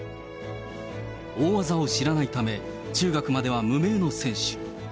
大技を知らないため、中学までは無名の選手。